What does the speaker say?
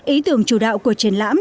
ý tưởng chủ đạo của triển lãm